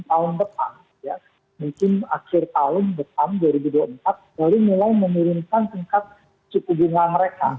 tahun depan ya mungkin akhir tahun depan dua ribu dua puluh empat lalu mulai menurunkan tingkat suku bunga mereka